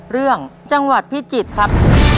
เรื่องจังหวัดพิจิตรครับ